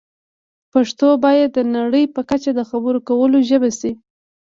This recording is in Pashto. پښتو باید د نړۍ په کچه د خبرو کولو ژبه شي.